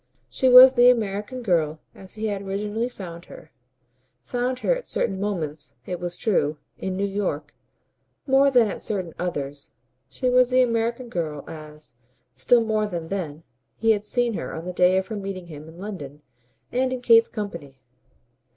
She was the American girl as he had originally found her found her at certain moments, it was true, in New York, more than at certain others; she was the American girl as, still more than then, he had seen her on the day of her meeting him in London and in Kate's company.